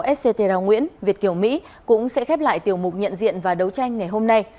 nhà báo etcetera nguyễn việt kiều mỹ cũng sẽ khép lại tiểu mục nhận diện và đấu tranh ngày hôm nay